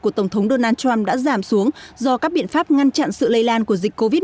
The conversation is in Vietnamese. của tổng thống donald trump đã giảm xuống do các biện pháp ngăn chặn sự lây lan của dịch covid một mươi chín